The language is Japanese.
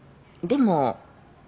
でも？